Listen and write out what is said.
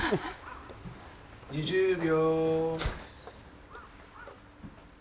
２０秒。